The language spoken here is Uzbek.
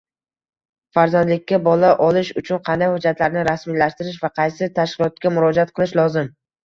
Farzandlikka bola olish uchun qanday hujjatlarni rasmiylashtirish va qaysi tashkilotga murojaat qilish lozim?